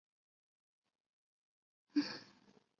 钝裂天胡荽为伞形科天胡荽属下的一个变种。